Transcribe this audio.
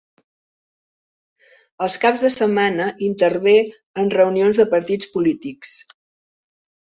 Els caps de setmana intervé en reunions de partits polítics.